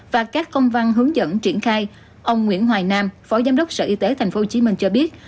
và các công văn hướng dẫn triển khai ông nguyễn hoài nam phó giám đốc sở y tế tp hcm cho biết